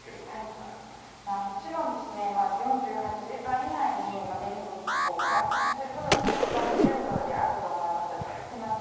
もちろん４８時間以内に電力を回復させることが一番急務であると思います。